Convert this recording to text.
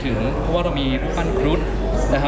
คุณต้องไปคุยกับทางเจ้าหน้าที่เขาหน่อย